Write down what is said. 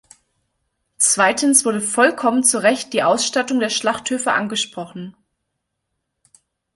Zweitens wurde vollkommen zu Recht die Ausstattung der Schlachthöfe angesprochen.